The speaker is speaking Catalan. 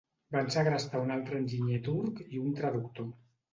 Van segrestar un altre enginyer turc i un traductor.